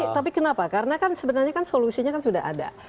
tapi kenapa karena kan sebenarnya solusinya sudah ada